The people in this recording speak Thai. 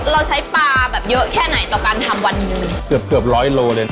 เราใช้ปลาแบบเยอะแค่ไหนต่อการทำวันหนึ่งเกือบเกือบร้อยโลเลยนะ